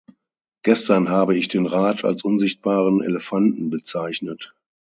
Gestern habe ich den Rat als unsichtbaren Elefanten bezeichnet.